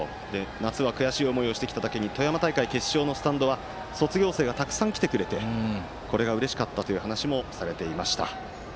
夏は悔しい思いをしてきただけに富山大会の決勝のスタンドは卒業生がたくさん来てくれてこれがうれしかったという話もされていました。